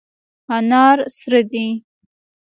انار سره دي.